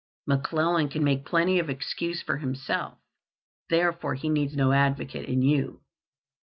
"McClellan can make plenty of excuse for himself, therefore he needs no advocate in you.